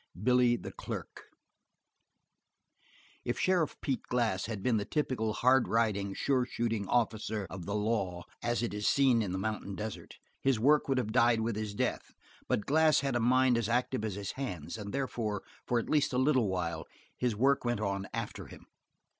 Billy The Clerk If Sheriff Pete Glass had been the typical hard riding, sure shooting officer of the law as it is seen in the mountain desert, his work would have died with his death, but Glass had a mind as active as his hands, and therefore, for at least a little while, his work went on after him.